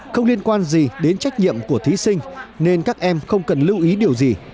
không liên quan gì đến trách nhiệm của thí sinh nên các em không cần lưu ý điều gì